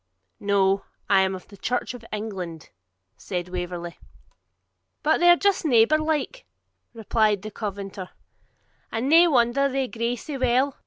'No; I am of the Church of England,' said Waverley. 'And they're just neighbour like,' replied the Covenanter; 'and nae wonder they gree sae weel.